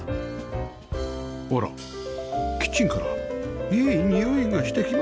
あらキッチンからいいにおいがしてきました